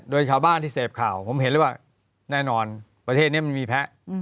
โดยชาวบ้านที่เสพข่าวผมเห็นเลยว่าแน่นอนประเทศนี้มันมีแพ้